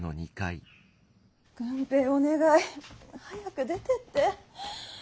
郡平お願い早く出てって。